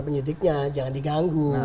penyidiknya jangan diganggu